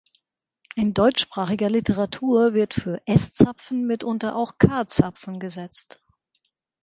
In deutschsprachiger Literatur wird für S-Zapfen mitunter auch K-Zapfen gesetzt.